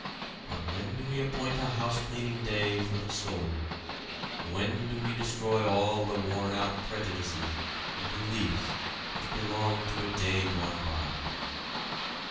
But when do we appoint a housecleaning day for the soul, when do we destroy all the worn out prejudices and beliefs which belong to a day gone by?